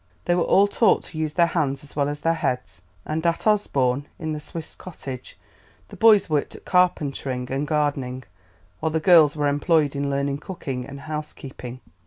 They were all taught to use their hands as well as their heads, and at Osborne, in the Swiss cottage, the boys worked at carpentering and gardening, while the girls were employed in learning cooking and housekeeping.